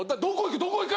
どこ行く？